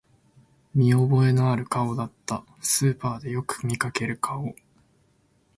見覚えのある顔だった、スーパーでよく見かける顔